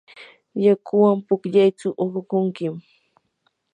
yakuwan pukllaytsu uqukunkim.